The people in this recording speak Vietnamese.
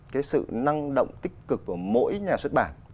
cái sự năng động tích cực của mỗi nhà xuất bản